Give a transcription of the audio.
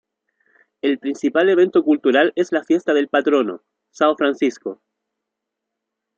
El principal evento cultural es la fiesta del patrono: São Francisco.